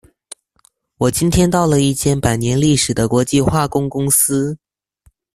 我今天到了一間百年歷史的國際化工公司